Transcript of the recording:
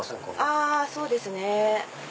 あそうですね。